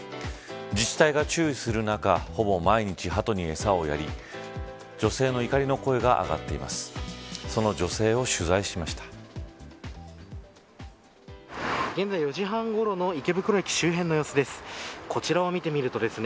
自治体が注意する中ほぼ、毎日ハトに餌をやり女性の怒りの声が上がっています。